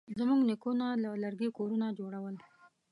زموږ نیکونه له لرګي کورونه جوړول.